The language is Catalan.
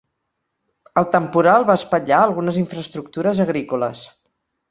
El temporal va espatllar algunes infraestructures agrícoles